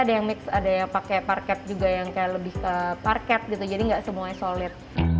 ada yang mix ada yang pakai parket juga yang kayak lebih ke parket gitu jadi gak semuanya solid